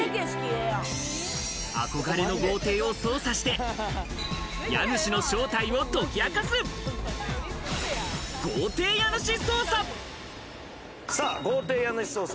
憧れの豪邸を捜査して家主の正体を解き明かす、豪邸家主捜査！